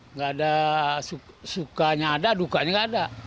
enggak ada sukanya ada dukanya enggak ada